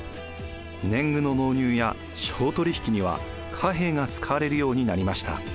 年貢の納入や商取引には貨幣が使われるようになりました。